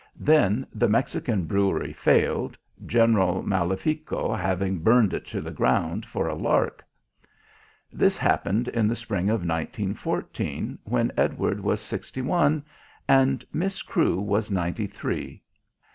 Then the Mexican brewery failed, General Malefico having burned it to the ground for a lark. This happened in the spring of 1914 when Edward was sixty one and Miss Crewe was ninety three.